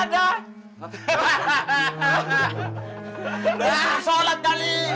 udah ada yang sholat kali